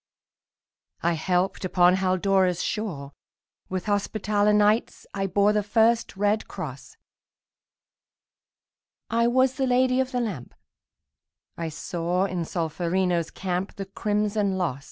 I helped upon Haldora's shore; With Hospitaller Knights I bore The first red cross; I was the Lady of the Lamp; I saw in Solferino's camp The crimson loss.